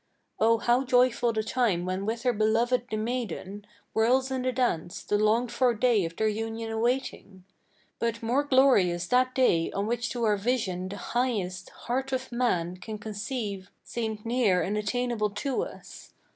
Oh, how joyful the time when with her belov'ed the maiden Whirls in the dance, the longed for day of their union awaiting! But more glorious that day on which to our vision the highest Heart of man can conceive seemed near and attainable to us.